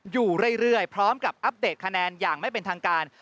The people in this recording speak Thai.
อยู่เรื่อยพร้อมกับอัปเดตคะแนนอย่างไม่เป็นทางการ